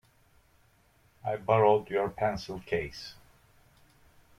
I borrowed your pencil case.